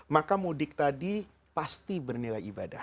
maka mudik tadi pasti bernilai ibadah